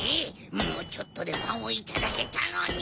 もうちょっとでパンをいただけたのに。